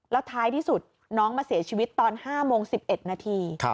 แล้วท้ายที่สุดน้องมาเสียชีวิตตอน๕โมง๑๑นาที